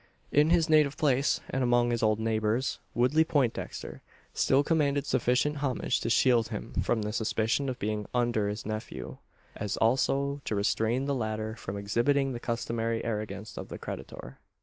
In his native place, and among his old neighbours, Woodley Poindexter still commanded sufficient homage to shield him from the suspicion of being under his nephew; as also to restrain the latter from exhibiting the customary arrogance of the creditor.